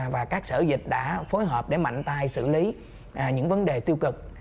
và các sở dịch đã phối hợp để mạnh tay xử lý những vấn đề tiêu cực